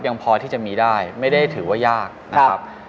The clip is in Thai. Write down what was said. ยังพอที่จะมีได้ไม่ได้ถือว่ายากนะครับ